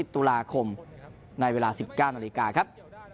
๑ตุลาคมในเวลา๑๙นาฬิกาครับ